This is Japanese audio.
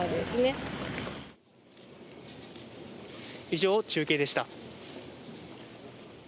以上、中継でした。